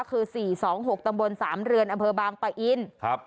คือ๔๒๖ตำบล๓เรือนอเบอร์บางปะอิน